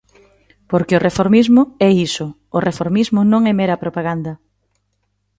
Porque o reformismo é iso, o reformismo non é mera propaganda.